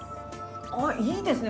あっいいですね